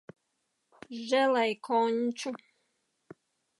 Želejkonču...